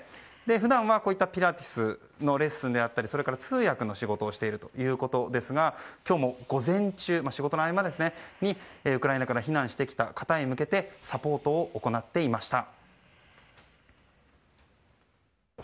普段はこういったピラティスのレッスンであったりそれから通訳の仕事をしているということですが今日も午前中、仕事の合間にウクライナから避難してきた方へ向けてサポートを行っていました。